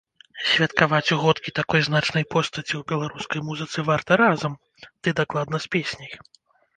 Святкаваць угодкі такой значнай постаці ў беларускай музыцы варта разам, ды дакладна з песняй.